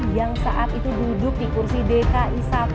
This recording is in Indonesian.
yang saat itu duduk di kursi dki satu